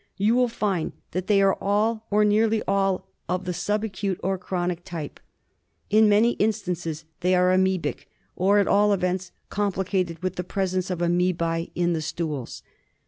You will find that they are all, or nearly all, of the sub acute or chronic type. In many instances they are amoebic, or, at all events, complicated with the presence of amoebae in the stools.